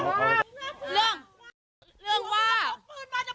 พวกมันไม่ได้เปิดจ้องปืน